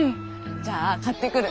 じゃあ買ってくる。